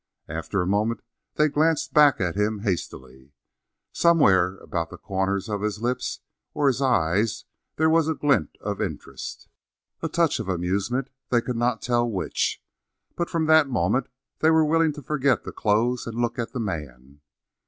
After a moment, they glanced back at him hastily. Somewhere about the corners of his lips or his eyes there was a glint of interest, a touch of amusement they could not tell which, but from that moment they were willing to forget the clothes and look at the man.